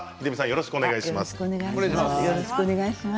よろしくお願いします。